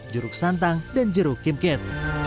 jeruk santang dan jeruk kimkit